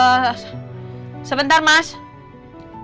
kenapa dia ingin bisa menyerah saat ini